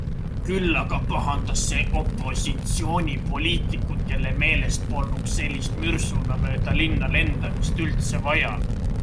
Küll aga pahandas see opositsioonipoliitikut, kelle meelest polnuks sellist mürsuna mööda linna lendamist üldse vaja.